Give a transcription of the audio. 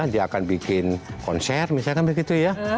dia akan bikin konser misalkan begitu ya